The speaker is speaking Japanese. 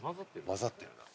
混ざってるな。